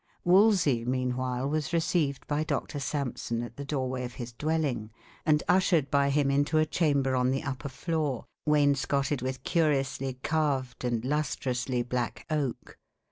Wolsey, meanwhile, was received by Doctor Sampson at the doorway of his dwelling, and ushered by him into a chamber on the upper floor, wainscoted with curiously carved and lustrously black oak.